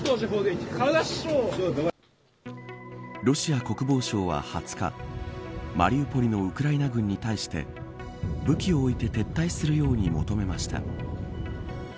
ロシア国防省は２０日マリウポリのウクライナ軍に対して武器を置いて撤退するように求めました。